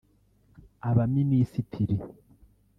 Abaminisitiri